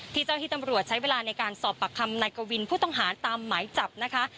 เจ้าที่ตำรวจใช้เวลาในการสอบปากคำนายกวินผู้ต้องหาตามหมายจับนะคะ